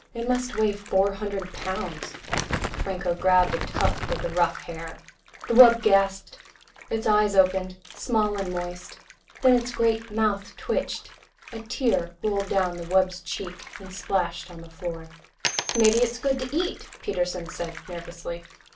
It must weigh four hundred pounds." Franco grabbed a tuft of the rough hair. The wub gasped. Its eyes opened, small and moist. Then its great mouth twitched. A tear rolled down the wub's cheek and splashed on the floor. "Maybe it's good to eat," Peterson said nervously.